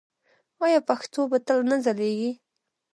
آیا پښتو به تل نه ځلیږي؟